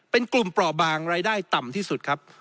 เป็นกลุ่มเปราะบางรายได้ต่ำที่สุดครับ